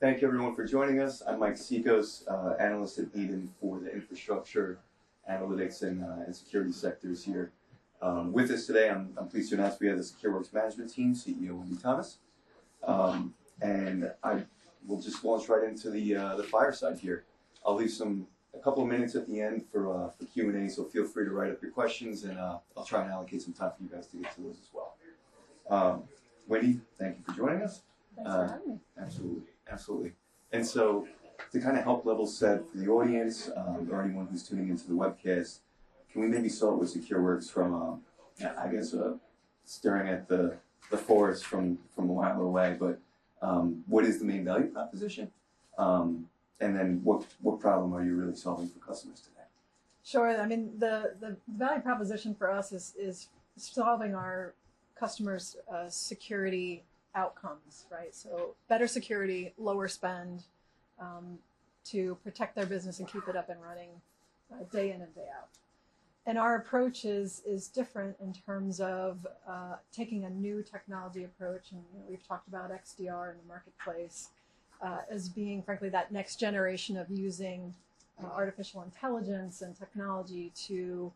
Thank you everyone for joining us. I'm Mike Cikos, analyst at Needham for the infrastructure, analytics, and security sectors here. With us today, I'm pleased to announce we have the SecureWorks management team, CEO Wendy Thomas. We'll just launch right into the fireside here. I'll leave a couple minutes at the end for Q&A, so feel free to write up your questions, and I'll try and allocate some time for you guys to get to those as well. Wendy, thank you for joining us. Thanks for having me. Absolutely. Absolutely. To kind of help level set for the audience, or anyone who's tuning into the webcast, can we maybe start with SecureWorks from, I guess, staring at the forest from a mile away, but, what is the main value proposition? What problem are you really solving for customers today? Sure. I mean, the value proposition for us is solving our customers' security outcomes, right? Better security, lower spend to protect their business and keep it up and running day in and day out. Our approach is different in terms of taking a new technology approach. You know, we've talked about XDR in the marketplace as being frankly that next generation of using artificial intelligence and technology to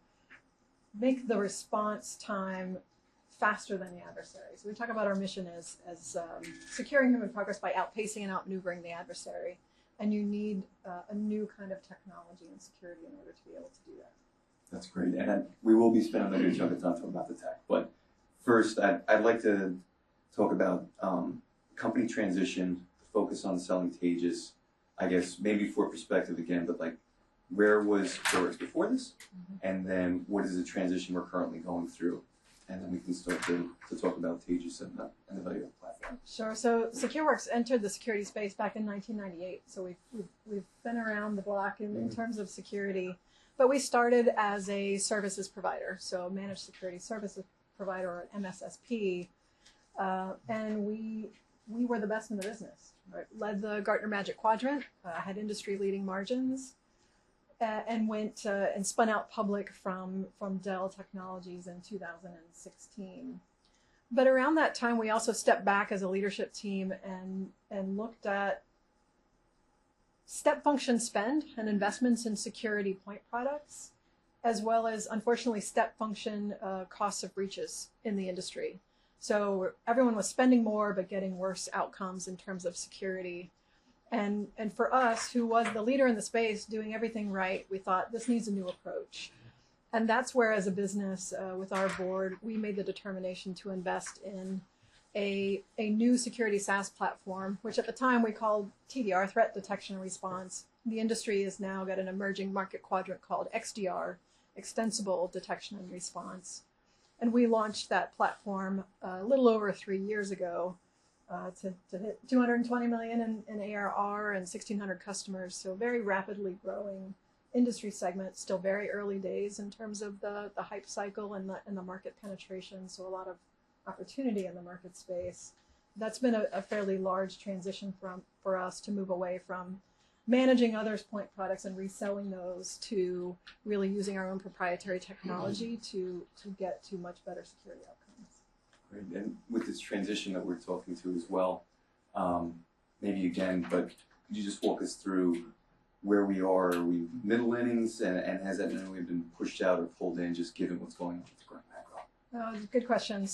make the response time faster than the adversary. We talk about our mission as securing human progress by outpacing and outmaneuvering the adversary. You need a new kind of technology and security in order to be able to do that. That's great. We will be spending a good chunk of time talking about the tech. First, I'd like to talk about company transition, focus on selling Taegis. I guess maybe for perspective again, but, where was SecureWorks before this? Mm-hmm. What is the transition we're currently going through? We can start to talk about Taegis and the value of the platform. Sure. SecureWorks entered the security space back in 1998, so we've been around the block in. Mm-hmm. In terms of security. We started as a services provider, a managed security services provider, an MSSP. We were the best in the business. Right. Led the Gartner Magic Quadrant, had industry-leading margins, and went and spun out public from Dell Technologies in 2016. Around that time, we also stepped back as a leadership team and looked at step function spend and investments in security point products, as well as unfortunately step function costs of breaches in the industry. Everyone was spending more, but getting worse outcomes in terms of security. And for us, who was the leader in the space doing everything right, we thought, "This needs a new approach." That's where, as a business, with our board, we made the determination to invest in a new security SaaS platform, which at the time we called TDR, Threat Detection and Response. The industry has now got an emerging market quadrant called XDR, extensible detection and response. We launched that platform a little over three years ago, to hit $220 million in ARR and 1,600 customers. Very rapidly growing industry segment. Still very early days in terms of the hype cycle and the market penetration, so a lot of opportunity in the market space. That's been a fairly large transition for us to move away from managing others' point products and reselling those to really using our own proprietary technology to get to much better security outcomes. Great. With this transition that we're talking through as well, maybe you can, but could you just walk us through where we are? Are we middle innings? And has that meant we've been pushed out or pulled in just given what's going on with the current macro? Oh, good question.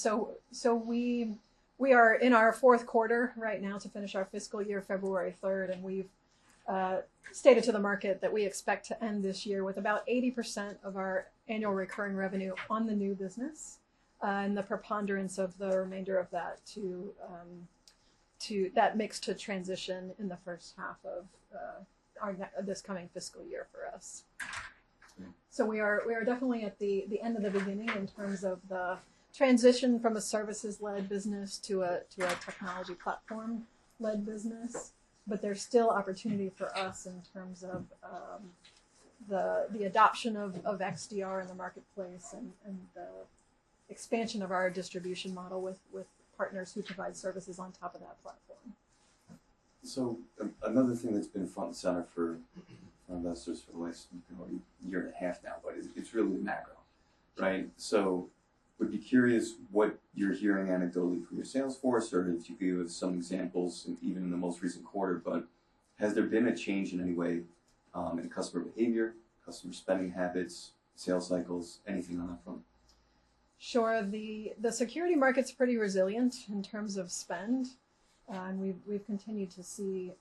We are in our fourth quarter right now to finish our fiscal year February 3rd, and we've stated to the market that we expect to end this year with about 80% of our annual recurring revenue on the new business, and the preponderance of the remainder of that to that mix to transition in the first half of this coming fiscal year for us. Mm. We are definitely at the end of the beginning in terms of the transition from a services-led business to a technology platform-led business. There's still opportunity for us in terms of the adoption of XDR in the marketplace and the expansion of our distribution model with partners who provide services on top of that platform. Another thing that's been front and center for investors for the last, you know, year and a half now, but it's really macro, right? Would be curious what you're hearing anecdotally from your sales force or if you could give some examples even in the most recent quarter. Has there been a change in any way in customer behavior, customer spending habits, sales cycles, anything on that front? Sure. The security market's pretty resilient in terms of spend, and we've continued to see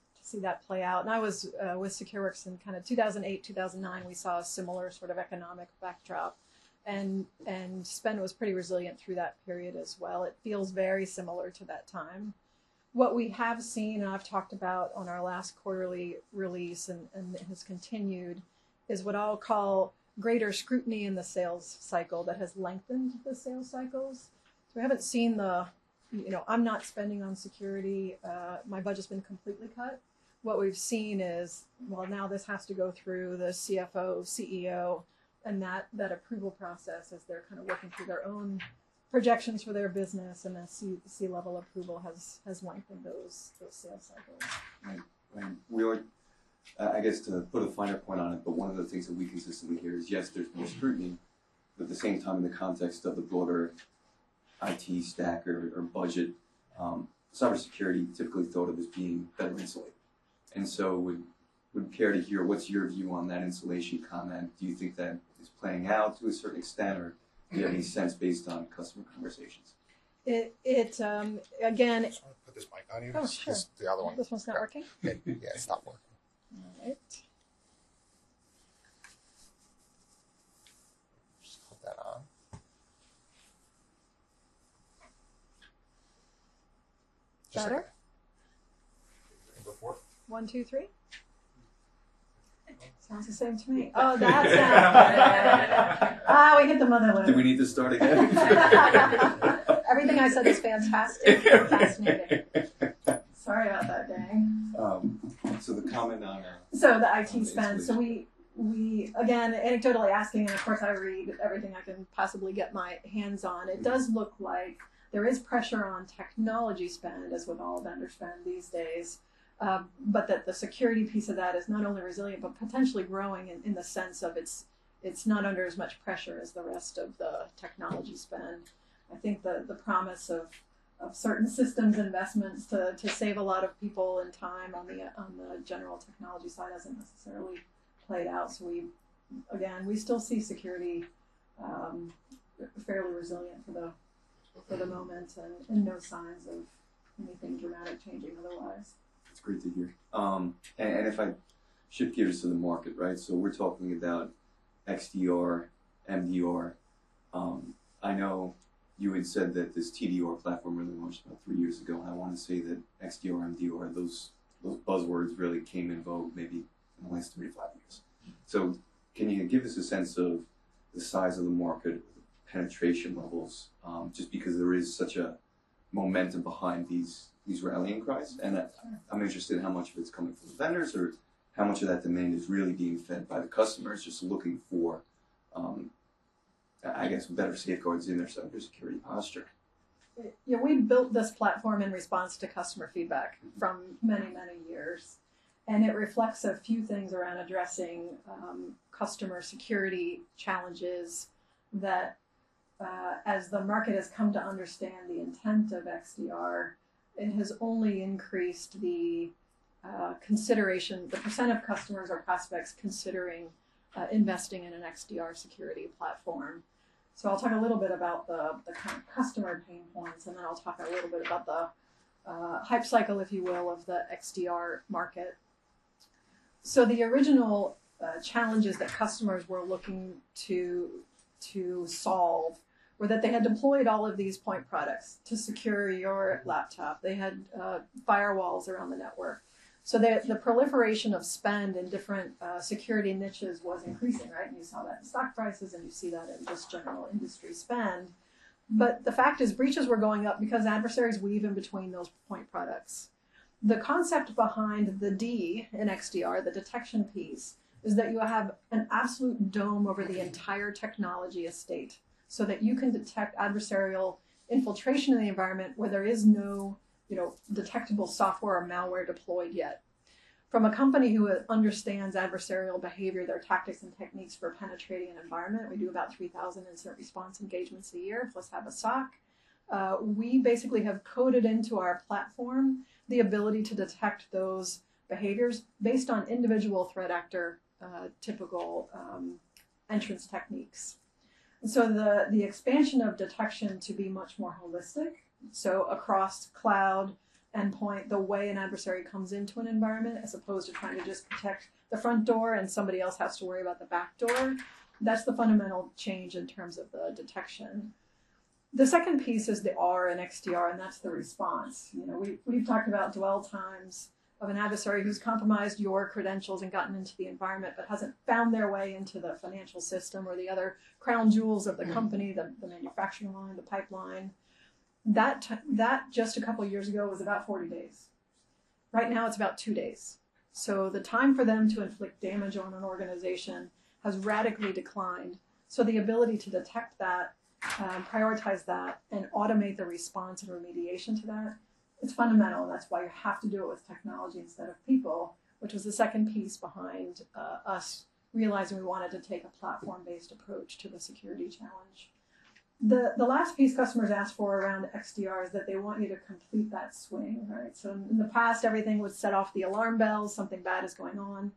that play out. I was with SecureWorks in kind of 2008, 2009, we saw a similar sort of economic backdrop, and spend was pretty resilient through that period as well. It feels very similar to that time. What we have seen, and I've talked about on our last quarterly release and it has continued, is what I'll call greater scrutiny in the sales cycle that has lengthened the sales cycles. We haven't seen the, you know, "I'm not spending on security. My budget's been completely cut." What we've seen is, well, now this has to go through the CFO, CEO, and that approval process as they're kind of working through their own projections for their business, and that C-level approval has lengthened those sales cycles. Right. I guess to put a finer point on it, but one of the things that we consistently hear is, yes, there's more scrutiny, but at the same time, in the context of the broader-IT stack or budget, cybersecurity typically thought of as being better insulated. So, we would care to hear what's your view on that insulation comment. Do you think that is playing out to a certain extent, or do you have any sense based on customer conversations? IT. Do you just wanna put this mic on you? Oh, sure. Just the other one. This one's not working? Yeah. Yeah, it's not working. All right. Just put that on. Better? Before. One, two, three. Sounds the same to me. Oh, that sounds... Oh, we hit the mother loader. Do we need to start again? Everything I said is fantastic and fascinating. Sorry about that, Dan. The comment on insulation. The IT spend. Again, anecdotally asking, and of course, I read everything I can possibly get my hands on. It does look like there is pressure on technology spend, as with all vendor spend these days. But that the security piece of that is not only resilient, but potentially growing in the sense of it's not under as much pressure as the rest of the technology spend. I think the promise of certain systems investments to save a lot of people and time on the general technology side doesn't necessarily play out. Again, we still see security, fairly resilient for the moment and no signs of anything dramatic changing otherwise. That's great to hear. And if I shift gears to the market, right? We're talking about XDR, MDR. I know you had said that this TDR platform really launched about three years ago. I wanna say that XDR, MDR, those buzzwords really came in vogue maybe in the last 3-5 years. Can you give us a sense of the size of the market penetration levels, just because there is such a momentum behind these rallying cries? I'm interested in how much of it's coming from the vendors or how much of that demand is really being fed by the customers just looking for, I guess, better scapegoats in their cybersecurity posture. Yeah. We built this platform in response to customer feedback from many, many years, it reflects a few things around addressing customer security challenges that as the market has come to understand the intent of XDR, it has only increased the consideration. The percent of customers or prospects considering investing in an XDR security platform. I'll talk a little bit about the customer pain points, and then I'll talk a little bit about the hype cycle, if you will, of the XDR market. The original challenges that customers were looking to solve were that they had deployed all of these point products to secure your laptop. They had firewalls around the network. The proliferation of spend in different security niches was increasing, right? You saw that in stock prices, and you see that in just general industry spend. The fact is, breaches were going up because adversaries weave in between those point products. The concept behind the D in XDR, the Detection piece, is that you have an absolute dome over the entire technology estate, so that you can detect adversarial infiltration in the environment where there is no, you know, detectable software or malware deployed yet. From a company who understands adversarial behavior, their tactics and techniques for penetrating an environment, we do about 3,000 incident response engagements a year. Plus have a SOC. We basically have coded into our platform the ability to detect those behaviors based on individual threat actor, typical entrance techniques. The expansion of detection to be much more holistic, so across cloud endpoint, the way an adversary comes into an environment, as opposed to trying to just protect the front door and somebody else has to worry about the back door, that's the fundamental change in terms of the detection. The second piece is the R in XDR, and that's the Response. You know, we've talked about dwell times of an adversary who's compromised your credentials and gotten into the environment but hasn't found their way into the financial system or the other crown jewels of the company, the manufacturing line, the pipeline. That just a couple of years ago was about 40 days. Right now, it's about two days. The time for them to inflict damage on an organization has radically declined. The ability to detect that, prioritize that, and automate the response and remediation to that, it's fundamental and that's why you have to do it with technology instead of people, which was the second piece behind us realizing we wanted to take a platform-based approach to the security challenge. The last piece customers ask for around XDR is that they want you to complete that swing, right? In the past, everything would set off the alarm bells, something bad is going on.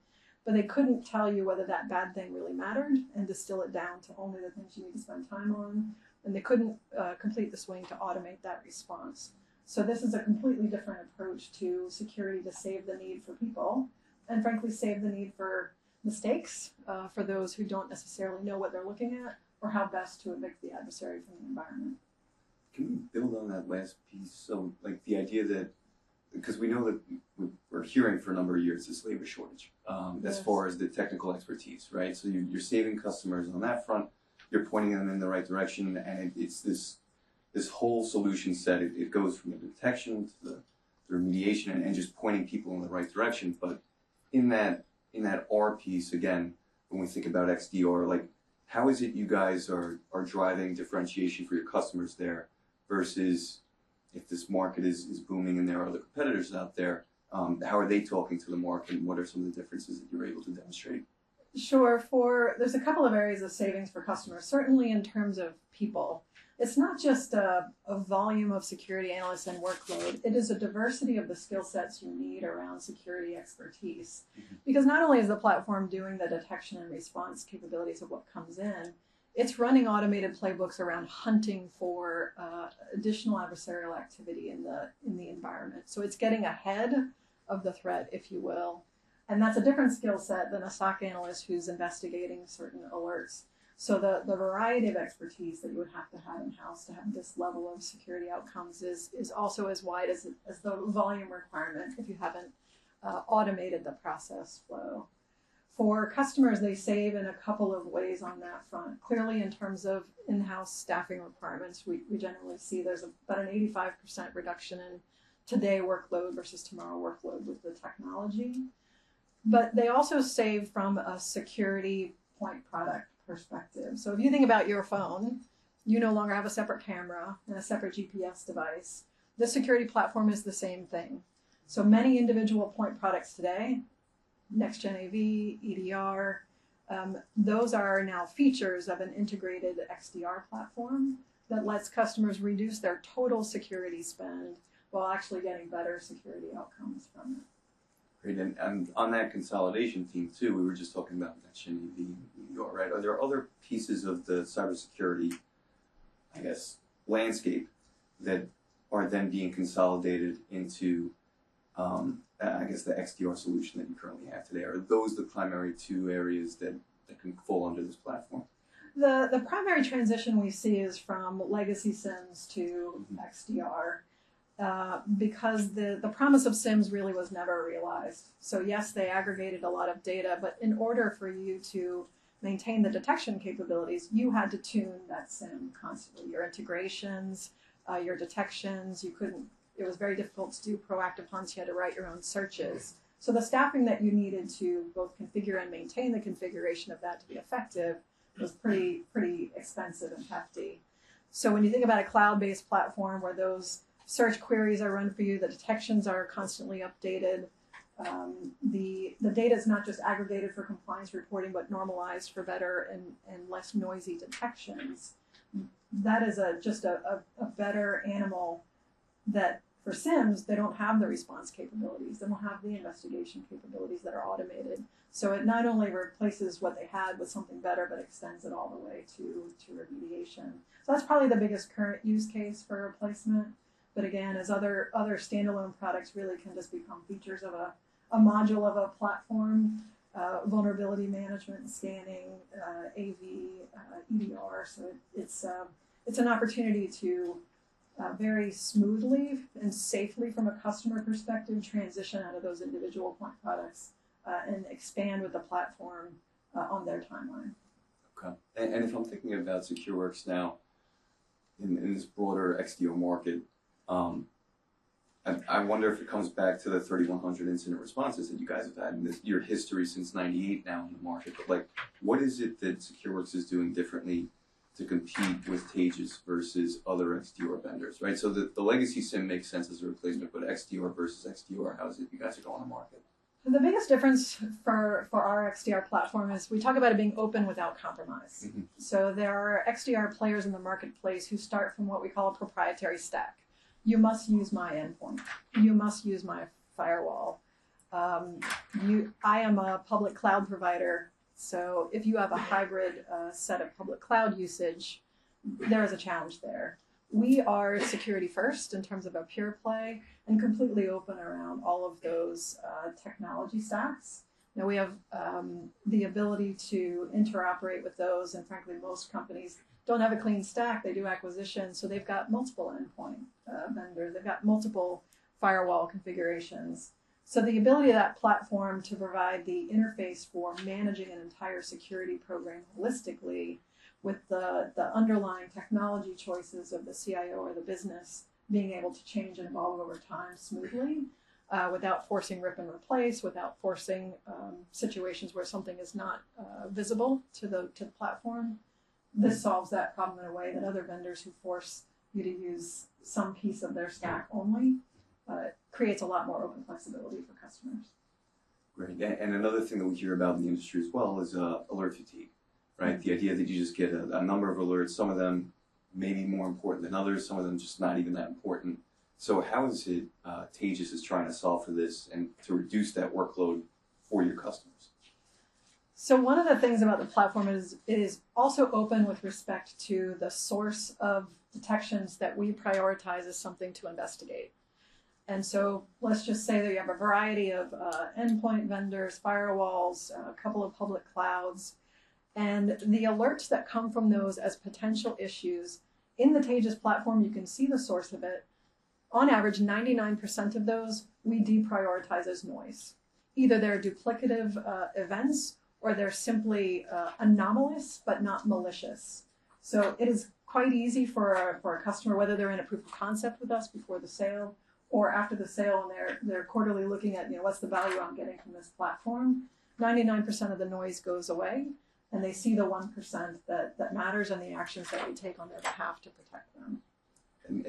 They couldn't tell you whether that bad thing really mattered and distill it down to only the things you need to spend time on, and they couldn't complete the swing to automate that response. This is a completely different approach to security to save the need for people and frankly, save the need for mistakes, for those who don't necessarily know what they're looking at or how best to evict the adversary from the environment. Can you build on that last piece? Like, the idea that because we know that we're hearing for a number of years this labor shortage. Yes As far as the technical expertise, right? You're saving customers on that front. You're pointing them in the right direction, and it's this whole solution set, it goes from the detection to the remediation and just pointing people in the right direction. In that R piece, again, when we think about XDR, like, how is it you guys are driving differentiation for your customers there? If this market is booming and there are other competitors out there, how are they talking to the market and what are some of the differences that you're able to demonstrate? Sure. There's a couple of areas of savings for customers, certainly in terms of people. It's not just a volume of security analysts and workload, it is a diversity of the skill sets you need around security expertise. Mm-hmm. Not only is the platform doing the detection and response capabilities of what comes in, it's running automated playbooks around hunting for additional adversarial activity in the environment. It's getting ahead of the threat, if you will. That's a different skill set than a SOC analyst who's investigating certain alerts. The variety of expertise that you would have to have in-house to have this level of security outcomes is also as wide as the volume requirement if you haven't automated the process flow. For customers, they save in a couple of ways on that front. Clearly, in terms of in-house staffing requirements, we generally see there's about an 85% reduction in today workload versus tomorrow workload with the technology. They also save from a security point product perspective. If you think about your phone, you no longer have a separate camera and a separate GPS device. The security platform is the same thing. Many individual point products today, Next-Gen AV, EDR, those are now features of an integrated XDR platform that lets customers reduce their total security spend while actually getting better security outcomes from it. Great. On that consolidation theme too, we were just talking about Next-Gen AV, you are right. Are there other pieces of the cybersecurity, I guess, landscape that are then being consolidated into, I guess the XDR solution that you currently have today? Are those the primary two areas that can fall under this platform? The primary transition we see is from legacy SIEMs to XDR because the promise of SIEMs really was never realized. Yes, they aggregated a lot of data, but in order for you to maintain the detection capabilities, you had to tune that SIEM constantly. Your integrations, your detections, It was very difficult to do proactive hunts. You had to write your own searches. The staffing that you needed to both configure and maintain the configuration of that to be effective was pretty expensive and hefty. When you think about a cloud-based platform where those search queries are run for you, the detections are constantly updated, the data's not just aggregated for compliance reporting, but normalized for better and less noisy detections, that is just a better animal that for SIEMs, they don't have the response capabilities. They don't have the investigation capabilities that are automated. It not only replaces what they had with something better, but extends it all the way to remediation. That's probably the biggest current use case for replacement. Again, as other standalone products really can just become features of a module of a platform, vulnerability management, scanning, AV, EDR. It's an opportunity to very smoothly and safely from a customer perspective, transition out of those individual point products, and expand with the platform, on their timeline. Okay. If I'm thinking about SecureWorks now in this broader XDR market, I wonder if it comes back to the 3,100 incident responses that you guys have had in your history since 1998 now in the market. Like, what is it that SecureWorks is doing differently to compete with Taegis versus other XDR vendors, right? The legacy SIEM makes sense as a replacement, but XDR versus XDR, how is it you guys are going to market? The biggest difference for our XDR platform is we talk about it being open without compromise. Mm-hmm. There are XDR players in the marketplace who start from what we call a proprietary stack. You must use my endpoint. You must use my firewall. I am a public cloud provider, so if you have a hybrid set of public cloud usage, there is a challenge there. We are security first in terms of a pure play and completely open around all of those technology stacks. We have the ability to interoperate with those, and frankly, most companies don't have a clean stack. They do acquisitions, so they've got multiple endpoint vendors. They've got multiple firewall configurations. The ability of that platform to provide the interface for managing an entire security program holistically with the underlying technology choices of the CIO or the business being able to change and evolve over time smoothly, without forcing rip and replace, without forcing situations where something is not visible to the platform. This solves that problem in a way that other vendors who force you to use some piece of their stack only, creates a lot more open flexibility for customers. Great. Another thing that we hear about in the industry as well is alert fatigue, right? The idea that you just get a number of alerts, some of them may be more important than others, some of them just not even that important. How is it Taegis is trying to solve for this and to reduce that workload for your customers? One of the things about the platform is it is also open with respect to the source of detections that we prioritize as something to investigate. Let's just say that you have a variety of endpoint vendors, firewalls, a couple of public clouds, and the alerts that come from those as potential issues, in the Taegis platform, you can see the source of it. On average, 99% of those we deprioritize as noise. Either they're duplicative, events or they're simply, anomalous but not malicious. It is quite easy for our customer, whether they're in a proof of concept with us before the sale or after the sale, and they're quarterly looking at, you know, what's the value I'm getting from this platform, 99% of the noise goes away, and they see the 1% that matters and the actions that we take on their behalf to protect them.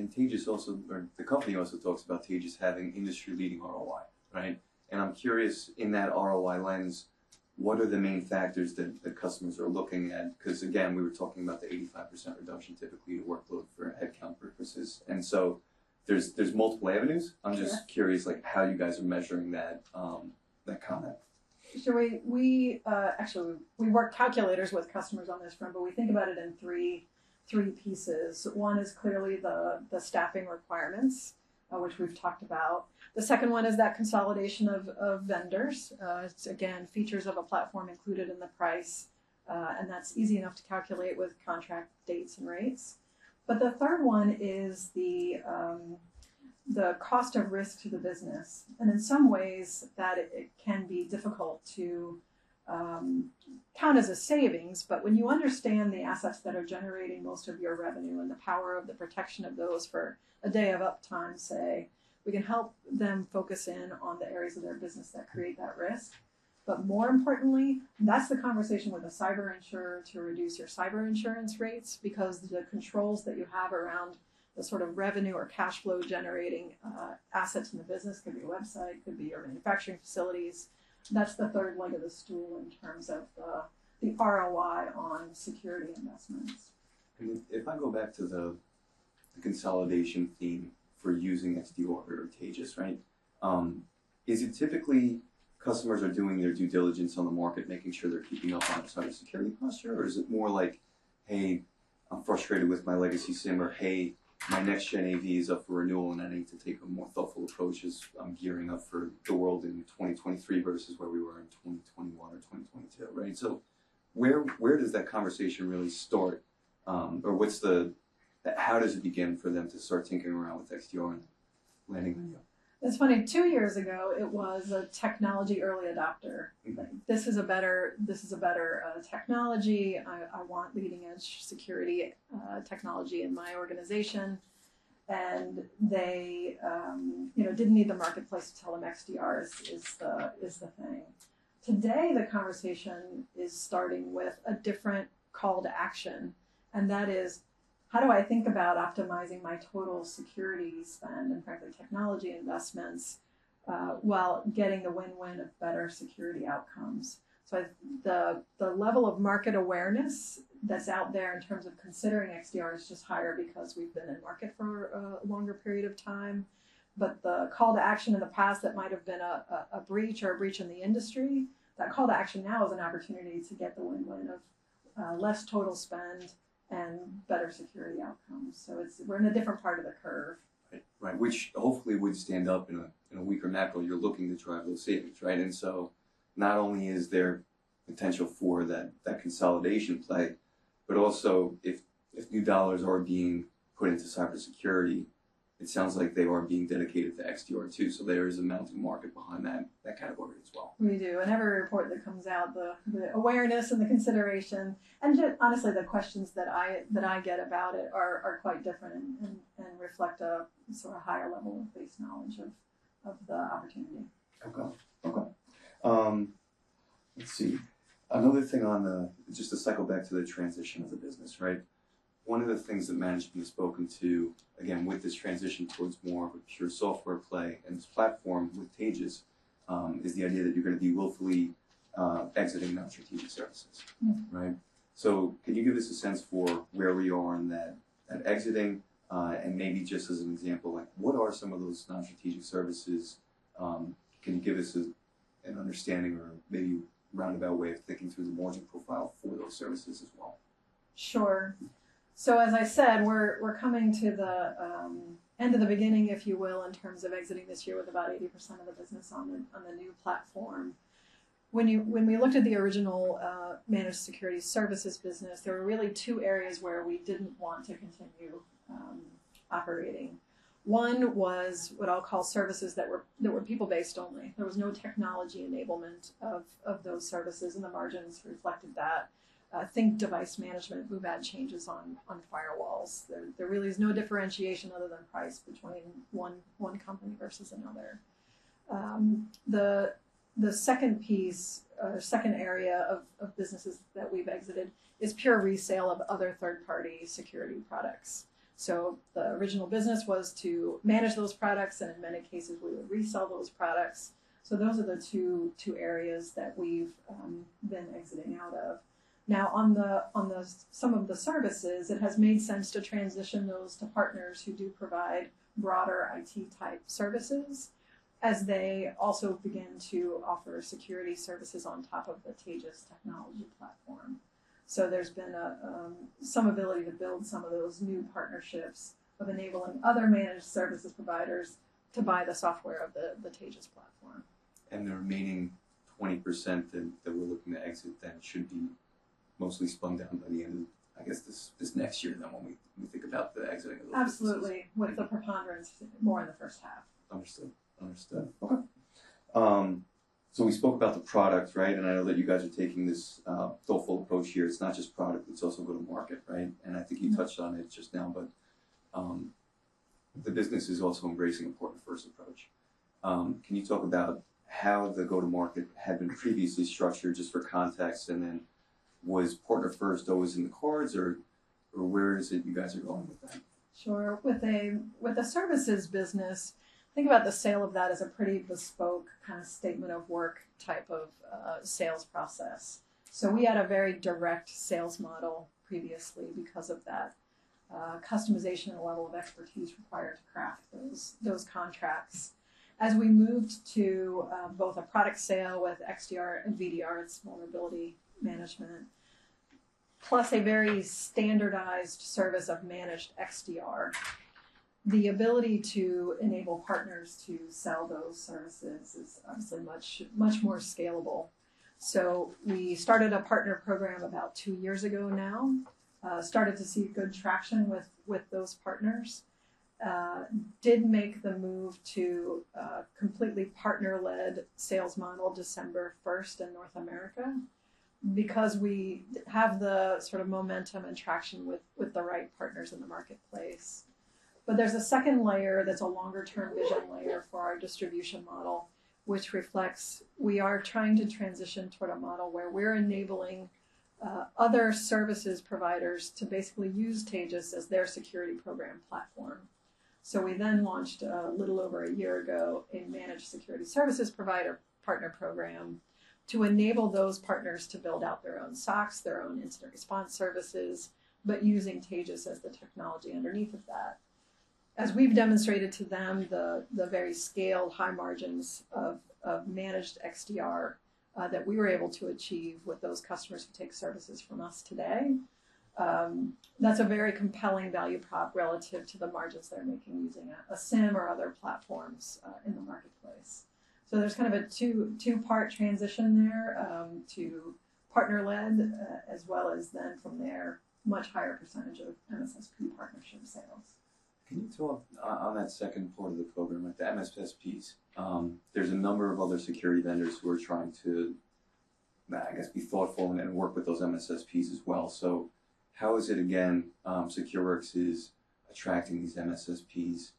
Taegis also, or the company also talks about Taegis having industry-leading ROI, right? I'm curious, in that ROI lens, what are the main factors that the customers are looking at? Cause again, we were talking about the 85% reduction typically of workload for headcount purposes. There's multiple avenues. Sure. I'm just curious, like, how you guys are measuring that comment. We actually work calculators with customers on this front, but we think about it in three pieces. One is clearly the staffing requirements, which we've talked about. The second one is that consolidation of vendors. It's again features of a platform included in the price, and that's easy enough to calculate with contract dates and rates. The third one is the cost of risk to the business. In some ways, that it can be difficult to count as a savings, but when you understand the assets that are generating most of your revenue and the power of the protection of those for a day of uptime, say, we can help them focus in on the areas of their business that create that risk. More importantly, that's the conversation with a cyber insurer to reduce your cyber insurance rates because the controls that you have around the sort of revenue or cash flow generating assets in the business, could be a website, could be your manufacturing facilities, that's the third leg of the stool in terms of the ROI on security investments. If I go back to the consolidation theme for using XDR or Taegis, right, is it typically customers are doing their due diligence on the market, making sure they're keeping up on cybersecurity posture, or is it more like, "Hey, I'm frustrated with my legacy SIEM," or, "Hey, my next-gen AV is up for renewal, and I need to take a more thoughtful approach as I'm gearing up for the world in 2023 versus where we were in 2021 or 2022," right? Where does that conversation really start? Or how does it begin for them to start tinkering around with XDR and letting them know? It's funny, two years ago, it was a technology early adopter. Mm-hmm. This is a better technology. I want leading-edge security technology in my organization. They, you know, didn't need the marketplace to tell them XDR is the thing. Today, the conversation is starting with a different call to action, and that is: How do I think about optimizing my total security spend and frankly, technology investments, while getting the win-win of better security outcomes? The level of market awareness that's out there in terms of considering XDR is just higher because we've been in market for a longer period of time. The call to action in the past that might have been a breach or a breach in the industry, that call to action now is an opportunity to get the win-win of less total spend and better security outcomes. We're in a different part of the curve. Right. Which hopefully would stand up in a, in a weaker macro. You're looking to drive those savings, right? Not only is there potential for that consolidation play, but also if new dollars are being put into cybersecurity, it sounds like they are being dedicated to XDR too. There is a mounting market behind that category as well. We do. Every report that comes out, the awareness and the consideration, and just honestly, the questions that I, that I get about it are quite different and, and reflect a sort of higher level of base knowledge of the opportunity. Okay. Let's see. Just to cycle back to the transition of the business, right? One of the things that management has spoken to, again, with this transition towards more of a pure software play and this platform with Taegis, is the idea that you're gonna be hopefully, exiting non-strategic services. Mm. Right? Can you give us a sense for where we are on that exiting? Maybe just as an example, like what are some of those non-strategic services? Can you give us an understanding or maybe roundabout way of thinking through the margin profile for those services as well? Sure. As I said, we're coming to the end of the beginning, if you will, in terms of exiting this year with about 80% of the business on the new platform. When we looked at the original managed security services business, there were really two areas where we didn't want to continue operating. One was what I'll call services that were people-based only. There was no technology enablement of those services, and the margins reflected that. Think device management who had changes on firewalls. There really is no differentiation other than price between one company versus another. The second piece, or second area of businesses that we've exited is pure resale of other third-party security products. The original business was to manage those products, and in many cases, we would resell those products. Those are the two areas that we've been exiting out of. Now, on some of the services, it has made sense to transition those to partners who do provide broader IT-type services, as they also begin to offer security services on top of the Taegis technology platform. There's been a some ability to build some of those new partnerships of enabling other managed services providers to buy the software of the Taegis platform. The remaining 20% that we're looking to exit then should be mostly spun down by the end of, I guess, this next year then when we think about the exiting of those businesses. Absolutely. Okay. With the preponderance more in the first half. Understood. Understood. Okay. We spoke about the product, right? I know that you guys are taking this thoughtful approach here. It's not just product, it's also Go-to-Market, right? Mm-hmm. I think you touched on it just now, but the business is also embracing a partner-first approach. Can you talk about how the Go-to-Market had been previously structured just for context, and then was partner-first always in the cards or where is it you guys are going with that? Sure. With a services business, think about the sale of that as a pretty bespoke kind of statement of work type of sales process. We had a very direct sales model previously because of that customization and level of expertise required to craft those contracts. As we moved to both a product sale with XDR and VDR and vulnerability management, plus a very standardized service of managed XDR, the ability to enable partners to sell those services is obviously much more scalable. We started a partner program about two years ago now. Started to see good traction with those partners. Did make the move to a completely partner-led sales model December 1st in North America because we have the sort of momentum and traction with the right partners in the marketplace. There's a second layer that's a longer-term vision layer for our distribution model, which reflects we are trying to transition toward a model where we're enabling other services providers to basically use Taegis as their security program platform. We then launched, a little over a year ago, a managed security services provider partner program to enable those partners to build out their own SOCs, their own incident response services, but using Taegis as the technology underneath of that. As we've demonstrated to them the very scaled high margins of managed XDR that we were able to achieve with those customers who take services from us today, that's a very compelling value prop relative to the margins they're making using a SIEM or other platforms in the marketplace. There's kind of a two-part transition there, to partner-led, as well as then from there, much higher percentage of MSSP partnership sales. Can you talk on that second point of the program with the MSSPs? There's a number of other security vendors who are trying to, I guess, be thoughtful and work with those MSSPs as well. How is it again, SecureWorks is attracting these MSSPs?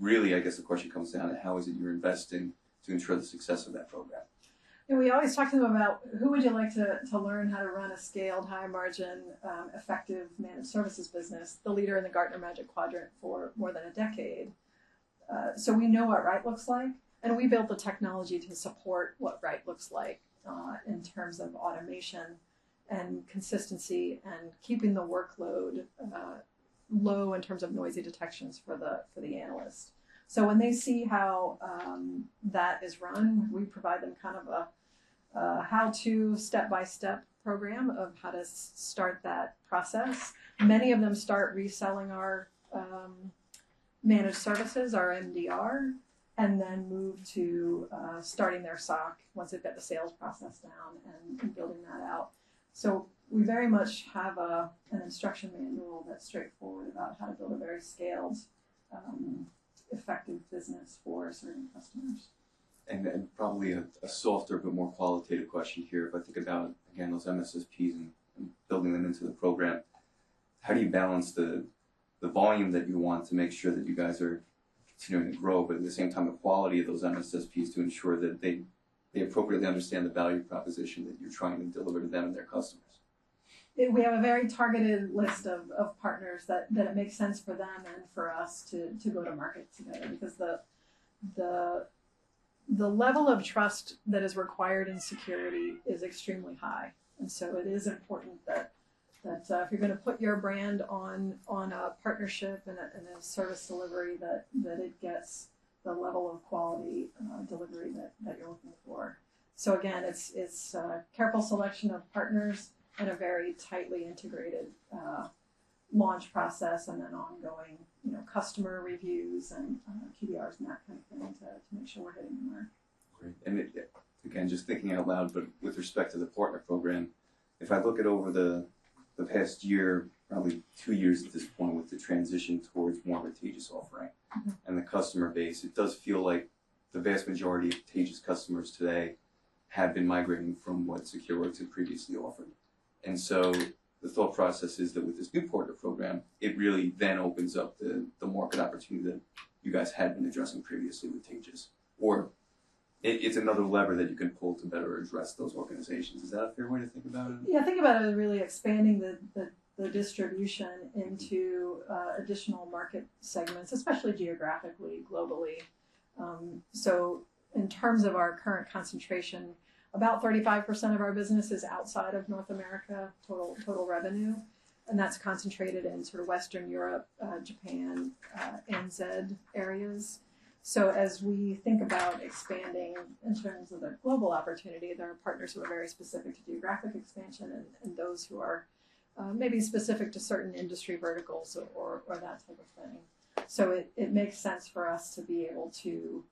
Really, I guess the question comes down to how is it you're investing to ensure the success of that program? Yeah. We always talk to them about who would you like to learn how to run a scaled high margin, effective managed services business, the leader in the Gartner Magic Quadrant for more than a decade. We know what right looks like, and we built the technology to support what right looks like, in terms of automation and consistency and keeping the workload low in terms of noisy detections for the analyst. When they see how that is run, we provide them kind of a how-to step-by-step program of how to start that process. Many of them start reselling our managed services, our MDR, and then move to starting their SOC once they've got the sales process down and building that out. We very much have an instruction manual that's straightforward about how to build a very scaled, effective business for certain customers. Probably a softer but more qualitative question here. If I think about, again, those MSSPs and building them into the program, how do you balance the volume that you want to make sure that you guys are continuing to grow, but at the same time, the quality of those MSSPs to ensure that they appropriately understand the value proposition that you're trying to deliver to them and their customers? We have a very targeted list of partners that it makes sense for them and for us to Go-to-Market together because the level of trust that is required in security is extremely high. It is important that if you're gonna put your brand on a partnership and a service delivery that it gets the level of quality delivery that you're looking for. Again, it's careful selection of partners and a very tightly integrated launch process and then ongoing, you know, customer reviews and QBRs and that kind of thing to make sure we're getting there. Great. again, just thinking out loud, but with respect to the partner program, if I look at over the past year, probably two years at this point, with the transition towards more of a Taegis offering- Mm-hmm. The customer base, it does feel like the vast majority of Taegis customers today have been migrating from what SecureWorks had previously offered. The thought process is that with this new partner program, it really then opens up the market opportunity that you guys hadn't been addressing previously with Taegis, or it's another lever that you can pull to better address those organizations. Is that a fair way to think about it? Yeah. Think about it as really expanding the distribution into additional market segments, especially geographically, globally. In terms of our current concentration, about 35% of our business is outside of North America, total revenue, and that's concentrated in sort of Western Europe, Japan, ANZ areas. As we think about expanding in terms of the global opportunity, there are partners who are very specific to geographic expansion and those who are maybe specific to certain industry verticals or that type of thing. It makes sense for us to be able to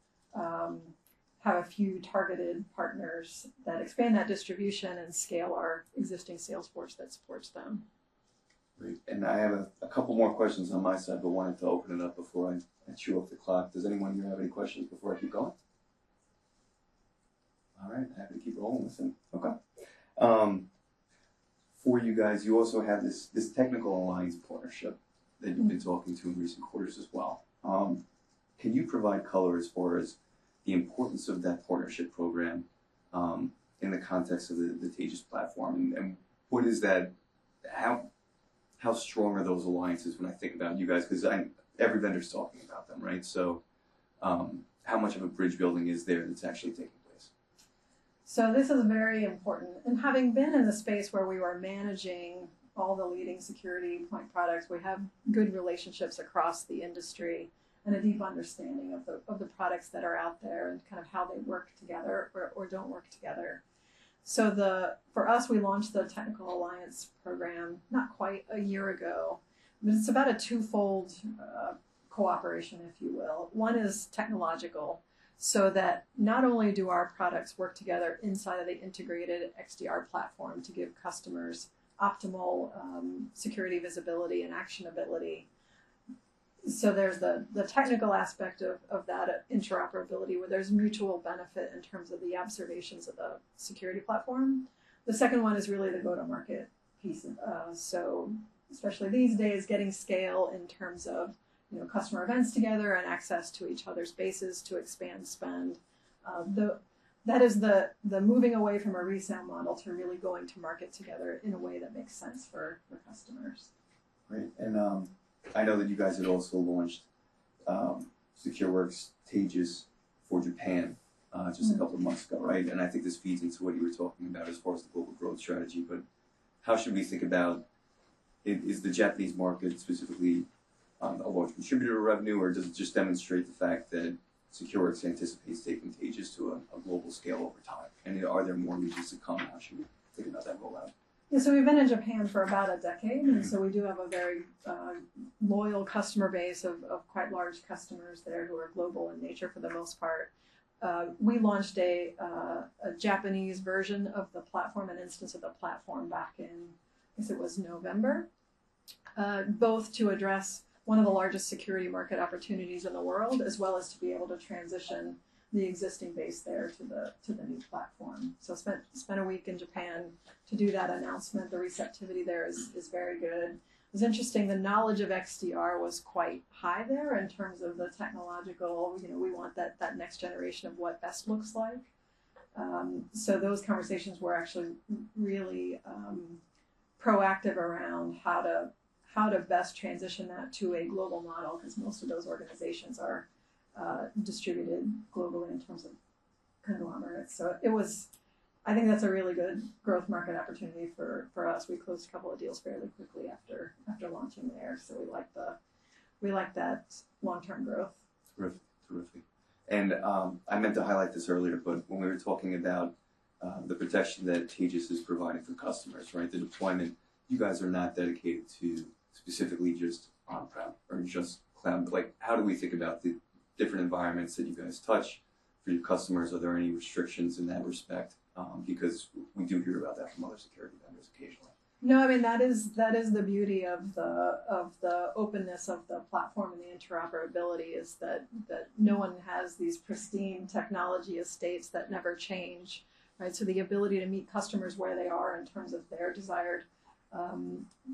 have a few targeted partners that expand that distribution and scale our existing sales force that supports them. Great. I have a couple more questions on my side, but wanted to open it up before I chew up the clock. Does anyone here have any questions before I keep going? All right. Happy to keep rolling. Listen, okay. For you guys, you also have this Technology Alliance partnership that you've been talking to in recent quarters as well. Can you provide color as far as the importance of that partnership program in the context of the Taegis platform? How strong are those alliances when I think about you guys? Every vendor's talking about them, right? How much of a bridge building is there that's actually taking place? This is very important. In having been in the space where we were managing all the leading security point products, we have good relationships across the industry and a deep understanding of the products that are out there and kind of how they work together or don't work together. For us, we launched the Technology Alliance program not quite a year ago. It's about a twofold cooperation, if you will. One is technological, so that not only do our products work together inside of the integrated XDR platform to give customers optimal security, visibility and actionability. There's the technical aspect of that interoperability where there's mutual benefit in terms of the observations of the security platform. The second one is really the Go-to-Market piece. Especially these days, getting scale in terms of, you know, customer events together and access to each other's bases to expand spend. That is the moving away from a resell model to really going to market together in a way that makes sense for customers. Great. I know that you guys had also launched SecureWorks Taegis for Japan just a couple of months ago, right? I think this feeds into what you were talking about as far as the global growth strategy. Is the Japanese market specifically a large contributor revenue, or does it just demonstrate the fact that SecureWorks anticipates taking Taegis to a global scale over time? Are there more regions to come? How should we think about that rollout? We've been in Japan for about a decade, and so we do have a very loyal customer base of quite large customers there who are global in nature for the most part. We launched a Japanese version of the platform, an instance of the platform back in, I guess it was November, both to address one of the largest security market opportunities in the world, as well as to be able to transition the existing base there to the new platform. Spent a week in Japan to do that announcement. The receptivity there is very good. It's interesting, the knowledge of XDR was quite high there in terms of the technological, you know, we want that next generation of what best looks like. Those conversations were actually really proactive around how to, how to best transition that to a global model, because most of those organizations are distributed globally in terms of conglomerates. I think that's a really good growth market opportunity for us. We closed a couple of deals fairly quickly after launching there, so we like that long-term growth. Terrific. Terrific. I meant to highlight this earlier, but when we were talking about the protection that Taegis is providing for customers, right, the deployment, you guys are not dedicated to specifically just on-prem or just cloud. Like, how do we think about the different environments that you guys touch for your customers? Are there any restrictions in that respect? Because we do hear about that from other security vendors occasionally. No, I mean, that is the beauty of the openness of the platform and the interoperability, is that no one has these pristine technology estates that never change, right? The ability to meet customers where they are in terms of their desired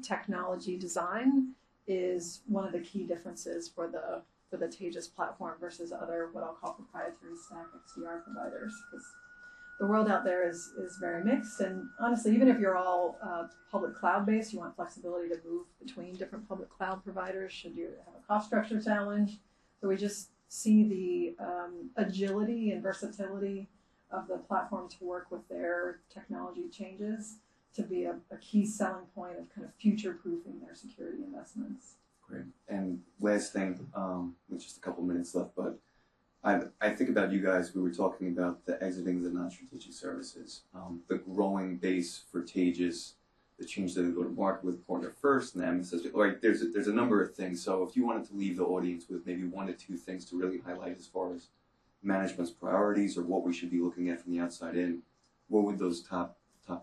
technology design is one of the key differences for the Taegis platform versus other, what I'll call proprietary stack XDR providers. 'Cause the world out there is very mixed. Honestly, even if you're all public cloud-based, you want flexibility to move between different public cloud providers should you have a cost structure challenge. We just see the agility and versatility of the platform to work with their technology changes to be a key selling point of kind of future-proofing their security investments. Great. Last thing, with just a couple minutes left, but I think about you guys, we were talking about the exiting the non-strategic services, the growing base for Taegis, the change to the Go-to-Market with Partner First, and then the strategic. Like, there's a number of things. If you wanted to leave the audience with maybe one or two things to really highlight as far as management's priorities or what we should be looking at from the outside in, what would those top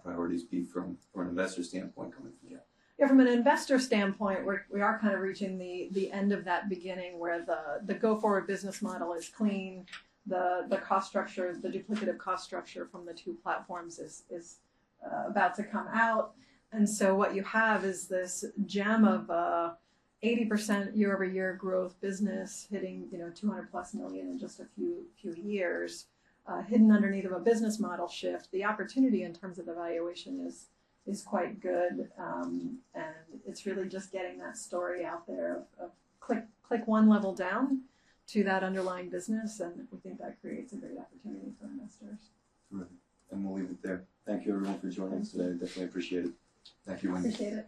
priorities be from an investor standpoint coming from you? Yeah. From an investor standpoint, we are kind of reaching the end of that beginning where the go-forward business model is clean, the cost structure, the duplicative cost structure from the two platforms is about to come out. What you have is this gem of a 80% year-over-year growth business hitting, you know, $200 million + in just a few years, hidden underneath of a business model shift. The opportunity in terms of the valuation is quite good. It's really just getting that story out there of click one level down to that underlying business, and we think that creates a great opportunity for investors. Terrific. We'll leave it there. Thank you everyone for joining us today. Definitely appreciate it. Thank you, Wendy. Appreciate it.